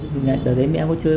từ đấy mẹ em có chơi